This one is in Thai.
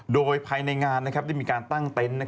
โดยภายในงานได้มีการตั้งเต็นต์